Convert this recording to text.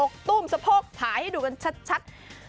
ตุ้มสะโพกถ่ายให้ดูกันชัด